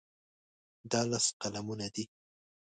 دا لس قلمونه دي.